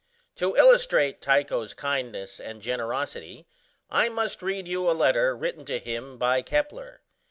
To illustrate Tycho's kindness and generosity, I must read you a letter written to him by Kepler.